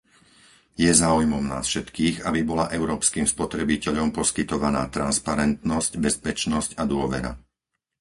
Je záujmom nás všetkých, aby bola európskym spotrebiteľom poskytovaná transparentnosť, bezpečnosť a dôvera.